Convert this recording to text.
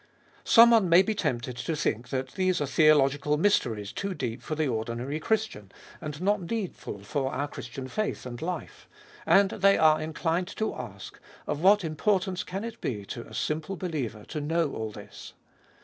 Someone may be tempted to think that these are theological mysteries too deep for the ordinary Christian, and not needful Cbe fboliest of BU 41 for our Christian faith and life. And they are inclined to ask, of what importance it can be to a simple believer to know all this